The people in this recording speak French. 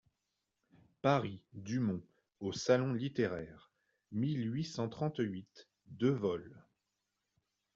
Paris, Dumont, Au Salon littéraire, mille huit cent trente-huit, deux vol.